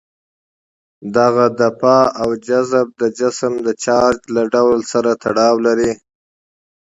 دغه دفع او جذب د جسم د چارج له ډول سره تړاو لري.